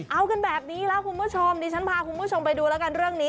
เอากันแบบนี้แล้วคุณผู้ชมดิฉันพาคุณผู้ชมไปดูแล้วกันเรื่องนี้